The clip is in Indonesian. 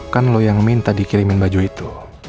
kan lo yang minta dikirimin baju itu